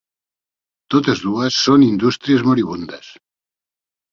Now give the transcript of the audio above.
Totes dues són indústries moribundes.